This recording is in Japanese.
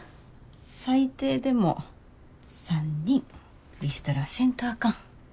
最低でも３人リストラせんとあかん。